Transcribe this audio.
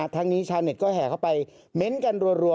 ทั้งนี้ชาวเน็ตก็แห่เข้าไปเม้นต์กันรัว